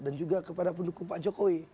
dan juga kepada pendukung pak jokowi